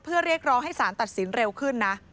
เพื่อเรียกร้องให้สารตัดสินเร็วขึ้นนะ